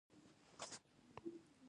د پس له مرګه ژوند ماهيت څه شی دی؟